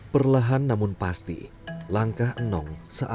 perlahan namun pasti langkah enong seakan